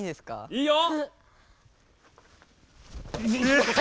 いいよ！